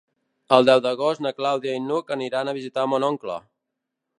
El deu d'agost na Clàudia i n'Hug aniran a visitar mon oncle.